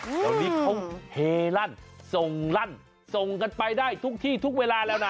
เดี๋ยวนี้เขาเฮลั่นส่งลั่นส่งกันไปได้ทุกที่ทุกเวลาแล้วนะ